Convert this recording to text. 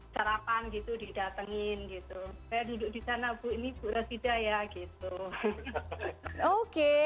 sarapan gitu didatengin gitu saya duduk di sana bu ini bu resida ya gitu oke